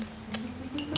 terima kasih pak